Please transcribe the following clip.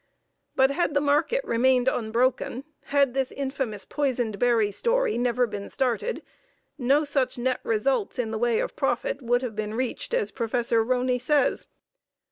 But had the market remained unbroken, had this infamous poisoned berry story never been started, no such net results in way of profit would have been reached as Prof. Roney says.